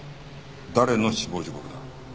誰の死亡時刻だ？